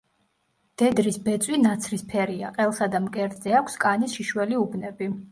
მდედრის ბეწვი ნაცრისფერია, ყელსა და მკერდზე აქვს კანის შიშველი უბნები.